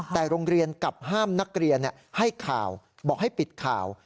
แต่โรงเรียนกลับห้ามนักเรียนให้ข่าวบอกให้ปิดข่าว